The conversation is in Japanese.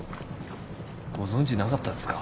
ご存じなかったですか？